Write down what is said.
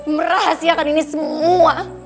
merahasiakan ini semua